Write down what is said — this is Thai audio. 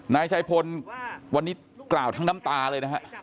นายชัยพลวันนี้กล่าวทั้งน้ำตาเลยนะฮะ